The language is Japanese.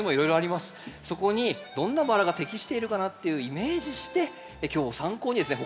そこにどんなバラが適しているかなっていうイメージして今日を参考にですね